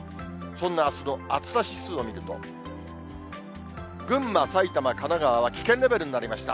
そんなあすの暑さ指数を見ると、群馬、埼玉、神奈川は危険レベルになりました。